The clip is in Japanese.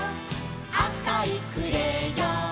「あかいクレヨン」